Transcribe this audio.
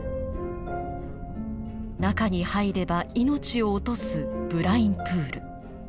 中に入れば命を落とすブラインプール。